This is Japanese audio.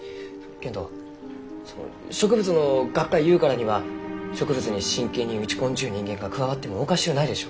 けんどその植物の学会ゆうからには植物に真剣に打ち込んじゅう人間が加わってもおかしゅうないでしょう。